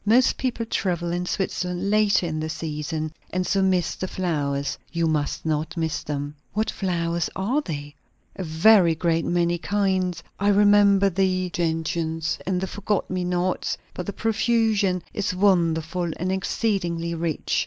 Most people travel in Switzerland later in the season, and so miss the flowers. You must not miss them." "What flowers are they?" "A very great many kinds. I remember the gentians, and the forget me nots; but the profusion is wonderful, and exceedingly rich.